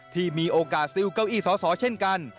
ที่มีโอกาสซิลเก้าอี้สอสอเช่นกัน